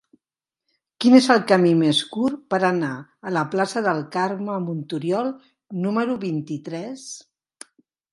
Quin és el camí més curt per anar a la plaça de Carme Montoriol número vint-i-tres?